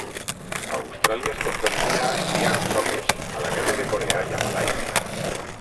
Austràlia es comprometia a enviar tropes a la Guerra de Corea i a Malàisia.